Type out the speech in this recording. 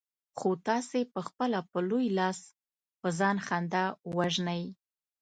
خو تاسې پخپله په لوی لاس په ځان خندا وژنئ.